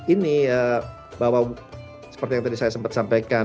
ini bahwa seperti yang tadi saya sempat sampaikan